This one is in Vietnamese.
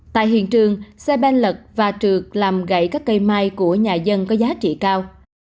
tại hiện trường xe bên lật và trượt làm gãy các cây mai của nhà dân có giá trị cao